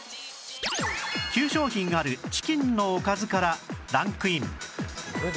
９商品あるチキンのおかずからランクイン